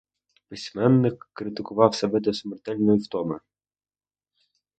Письменник критикував себе до смертельної втоми.